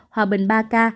hòa bình ba ca